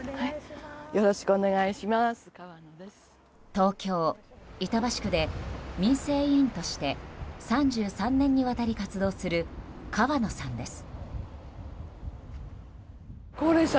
東京・板橋区で民生委員として３３年にわたり活動する河野さんです。